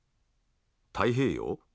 太平洋？